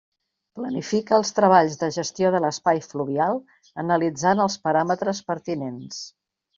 Planifica els treballs de gestió de l'espai fluvial, analitzant els paràmetres pertinents.